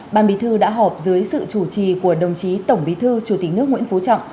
ban bí thư đã họp dưới sự chủ trì của đồng chí tổng bí thư chủ tịch nước nguyễn phú trọng